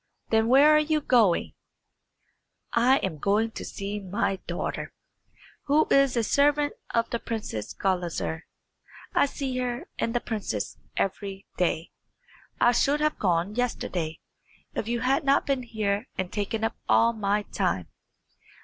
"Then where are you going?" "I am going to see my daughter, who is a servant of the Princess Gulizar. I see her and the princess every day. I should have gone yesterday, if you had not been here and taken up all my time."